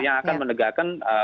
yang akan menegakkan